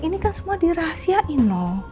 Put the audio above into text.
ini kan semua dirahasiain